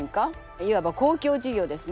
いわば公共事業ですね。